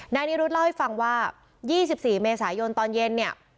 นายนิรุตเล่าให้ฟังว่ายี่สิบสี่เมษายนตอนเย็นเนี่ย